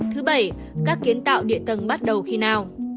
thứ bảy các kiến tạo địa tầng bắt đầu khi nào